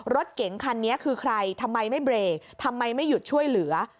รถเก๋งคันนี้คือใครทำไมไม่เบรกทำไมไม่หยุดช่วยเหลือ